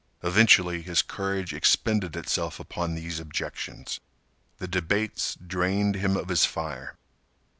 Eventually, his courage expended itself upon these objections. The debates drained him of his fire.